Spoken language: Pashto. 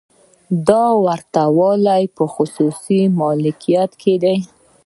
دا ورته والی په خصوصي مالکیت کې دی.